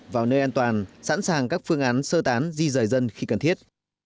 vào nơi an toàn sẵn sàng các phương án sơ tán di rời dân khi cần thiết